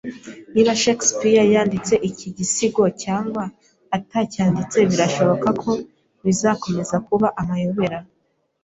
Niba Shakespeare yanditse iki gisigo cyangwa atacyanditse birashoboka ko bizakomeza kuba amayobera.